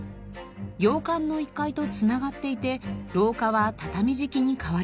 洋館の１階と繋がっていて廊下は畳敷きに変わります。